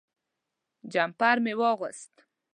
جمپر مې واغوست.